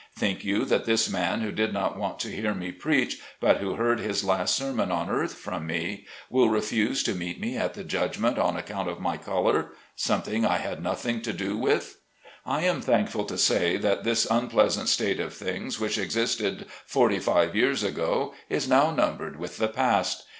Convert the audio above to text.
Think you that this man who did not want to hear me preach, but who heard his last sermon on earth from me, will refuse to meet me at the judgment on account of my color — something I had nothing to do with ? 48 SLAVE CABIN TO PULPIT. I am thankful to say that this unpleasant state of things which existed forty five years ago is now numbered with the past.